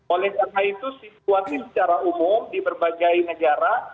oleh karena itu situasi secara umum di berbagai negara